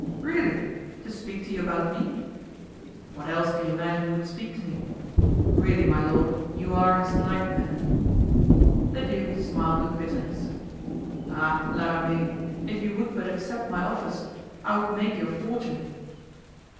"Really! to speak to you about me?" "Of what else do you imagine he would speak to me? Really, my lord, you are his nightmare." The duke smiled with bitterness. "Ah, La Ramee! if you would but accept my offers! I would make your fortune."